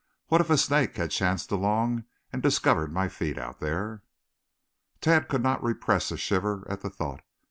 What if a snake had chanced along and discovered my feet out there?" Tad could not repress a shiver at the thought.